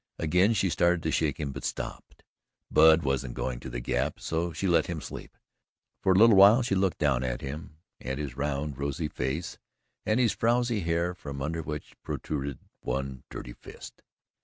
Again she started to shake him but stopped Bub wasn't going to the Gap, so she let him sleep. For a little while she looked down at him at his round rosy face and his frowsy hair from under which protruded one dirty fist.